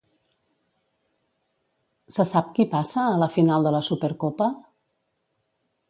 Se sap qui passa a la final de la Supercopa?